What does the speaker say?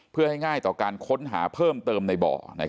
เพื่อให้ง่ายต่อการค้นหาเพิ่มเติมในบ่อ